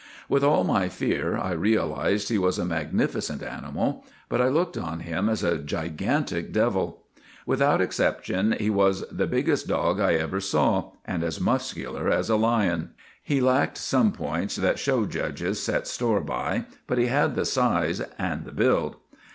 " With all my fear, I realized he was a mag nificent animal, but I looked on him as a gigantic devil. Without exception, he was the biggest dog I ever saw, and as muscular as a lion. He lacked some points that show judges set store by, but he had the size and the build.